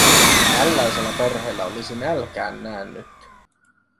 Tällaisella perheellä olisi nälkään näännytty.